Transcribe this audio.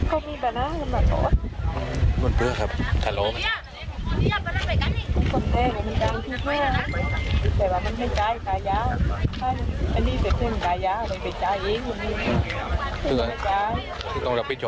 เริ่มเดื่อนยุ่งเดือนยุ่นออกกันไป